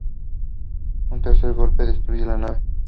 Un tercer golpe destruye la nave.